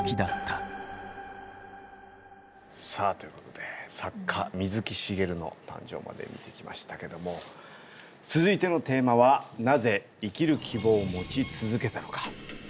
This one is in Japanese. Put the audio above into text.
さあということで作家水木しげるの誕生まで見てきましたけれども続いてのテーマは「なぜ生きる希望を持ち続けたのか？」。